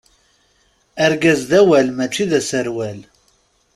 Argaz d awal mačči d aserwal.